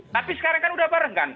tapi sekarang kan udah bareng kan